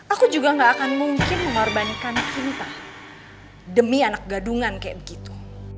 aku juga gak akan mungkin mengorbankan cinta demi anak gadungan kayak begitu